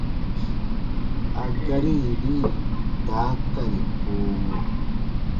A gari yini daakari koowo :